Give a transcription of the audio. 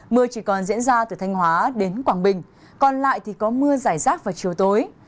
mưa chỉ còn diễn ra từ thanh hóa đến quảng bình còn lại thì có mưa giải rác vào chiều tối